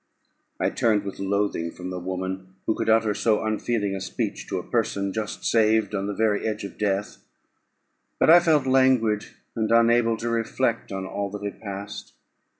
I turned with loathing from the woman who could utter so unfeeling a speech to a person just saved, on the very edge of death; but I felt languid, and unable to reflect on all that had passed.